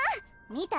見た？